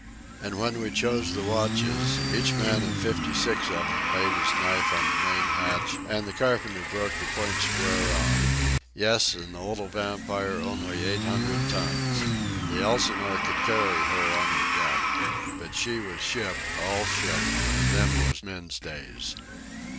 An' when we chose the watches, each man of fifty six of 'em laid his knife on the main hatch an' the carpenter broke the point square off.—Yes, an' the little Vampire only eight hundred tons. The Elsinore could carry her on her deck. But she was ship, all ship, an' them was men's days."